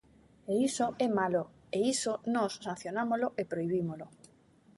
E iso é malo, e iso nós sancionámolo e prohibímolo.